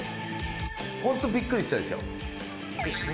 本当にびっくりしたでしょ？